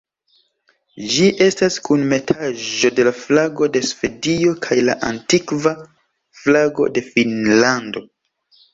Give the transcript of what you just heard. Ĝi estas kunmetaĵo de la flago de Svedio kaj la antikva flago de Finnlando.